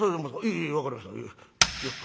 ええええ分かりました。